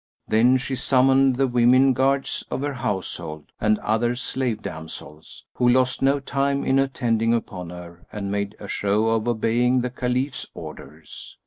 Then she summoned the women guards of her household and other slave damsels, who lost no time in attending upon her and made a show of obeying the Caliph's orders.